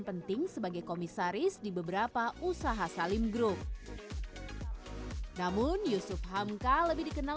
penting sebagai komisaris di beberapa usaha salim group namun yusuf hamka lebih dikenal